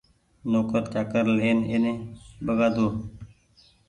نوڪر چآڪر لين ايني ٻگآۮو ني